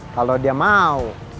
kalau dia mau